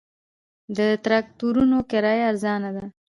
د تراکتورونو کرایه ارزانه ده